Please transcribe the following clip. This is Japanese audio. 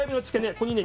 ここにね